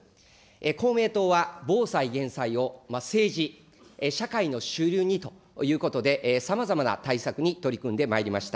公明党は、防災・減災を政治、社会の主流にということで、さまざまな対策に取り組んでまいりました。